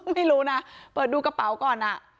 ไม่รู้นะเปิดดูกระเป๋าก่อน